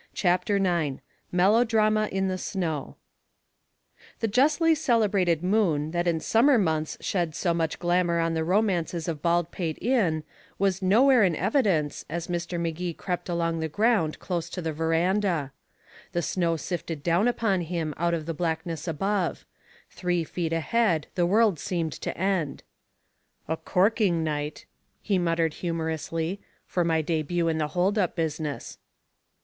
CHAPTER IX MELODRAMA IN THE SNOW The justly celebrated moon that in summer months shed so much glamour on the romances of Baldpate Inn was no where in evidence as Mr. Magee crept along the ground close to the veranda. The snow sifted down upon him out of the blackness above; three feet ahead the world seemed to end. "A corking night," he muttered humorously, "for my debut in the hold up business."